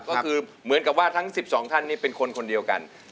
ก็คือเหมือนกับว่าทั้ง๑๒ท่านนี่เป็นคนคนเดียวกัน